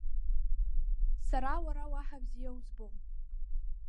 Сара уара уаҳа бзиа узбом.